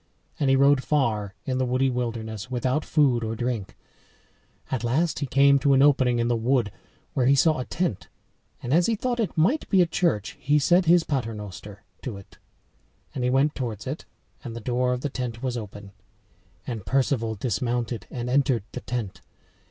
And he rode far in the woody wilderness without food or drink. At last he came to an opening in the wood where he saw a tent, and as he thought it might be a church he said his pater noster to it. And he went towards it; and the door of the tent was open. And Perceval dismounted and entered the tent.